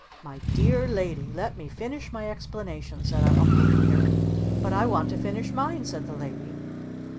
"My dear Lady let me finish my explanation!" said our Uncle Peter. "But I want to finish mine!" said the Lady.